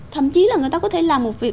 thậm chí là người ta có thể làm một việc